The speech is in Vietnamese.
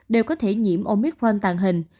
đều có thể nhiễm omicron tàn hình